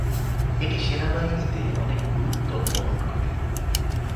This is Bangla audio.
এটি সেনাবাহিনীতে অনেক গুরুত্ব বহন করে।